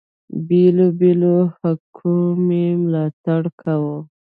بېلو بېلو حلقو مي ملاتړ کاوه.